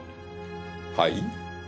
はい？